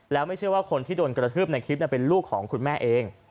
แล้วไม่เชื่อว่าคนที่โดนกระทืบในคลิปเป็นลูกของคุณแม่เอง